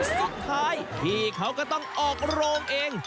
สุดท้ายพี่เขาก็ต้องออกโรงเอง